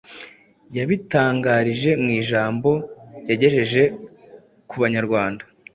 Yabitangarije mu ijambo yagejeje ku Banyarwanda